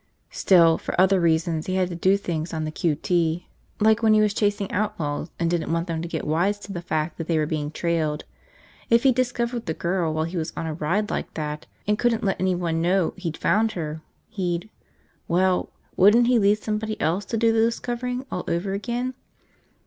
Still, for other reasons he had to do things on the q.t., like when he was chasing outlaws and didn't want them to get wise to the fact that they were being trailed. If he'd discovered the girl while he was on a ride like that, and couldn't let anyone know he'd found her, he'd – well, wouldn't he lead somebody else to do the discovering all over again?